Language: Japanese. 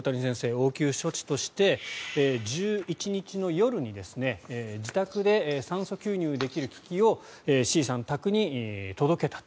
応急処置として１１日の夜に自宅で酸素吸入できる機器をＣさん宅に届けたと。